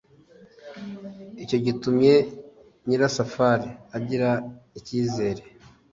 icyo gitumye nyirasafari agira icyizere